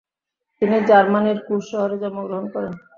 তিনি জার্মানির কুস শহরে জন্মগ্রহণ করনে